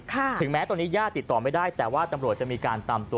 ถึงแม้ตอนนี้ย่าติดต่อไม่ได้แต่ว่าตำรวจจะมีการตามตัว